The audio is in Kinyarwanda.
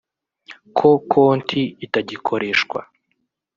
ko konti itagikoreshwa